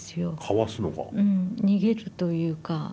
逃げるというか。